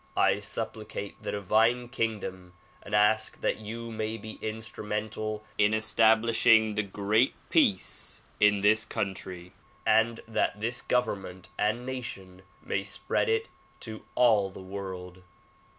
I supplicate the divine kingdom and ask that you may be instrumental in establishing the great peace in this country and that this government and nation may spread it to all the world.